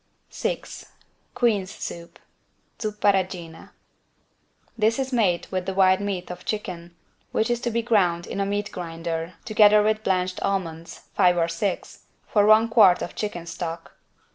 6 QUEEN'S SOUP (Zuppa Regina) This is made with the white meat of chicken, which is to be ground in a meat grinder together with blanched almonds (5 or 6) for one quart of chicken stock.